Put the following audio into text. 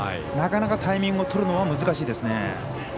なかなかタイミングを取るのは難しいですね。